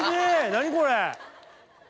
何これ！